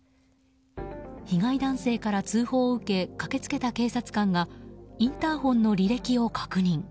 被害男性から通報を受け駆け付けた警察官がインターホンの履歴を確認。